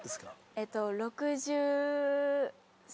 えっと６３？